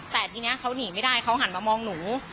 แต่ทีนี้เขาหนีไม่ได้เขาหันมามองหนู